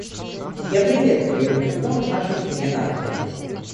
Я приветствую Южный Судан в нашей семье наций.